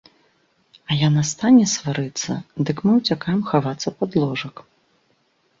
А яна стане сварыцца, дык мы ўцякаем хавацца пад ложак.